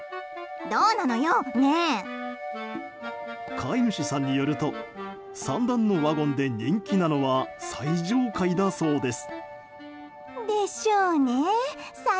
飼い主さんによると３段のワゴンで人気なのは最上階だそうです。